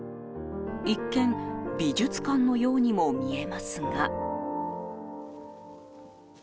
一見美術館のようにも見えますが。